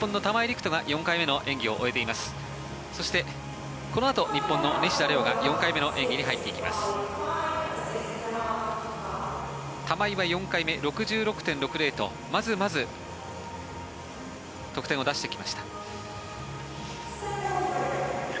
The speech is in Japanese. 玉井は４回目は６６．４０とまずまず得点を出してきました。